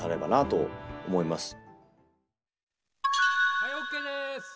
はいＯＫです！